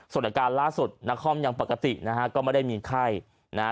ส่วนอาการล่าสุดนักคอมยังปกตินะฮะก็ไม่ได้มีไข้นะฮะ